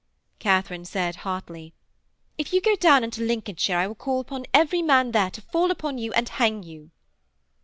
Katharine said hotly: 'If you go down into Lincolnshire, I will call upon every man there to fall upon you and hang you.'